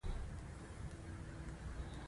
له خامه سړک نه تر ونې پورې سمټي لاره جوړه ده.